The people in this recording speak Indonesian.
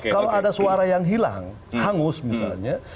kalau ada suara yang hilang hangus misalnya